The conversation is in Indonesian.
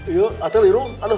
iya iya atau lirung aduh